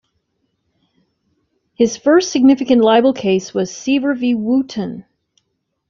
His first significant libel case was "Siever v Wootton".